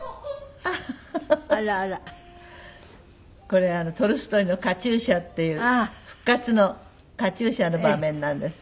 これトルストイの『カチューシャ』っていう『復活』のカチューシャの場面なんです。